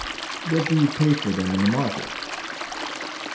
"What do you pay for them in the market?"